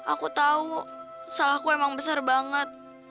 aku tahu salahku emang besar banget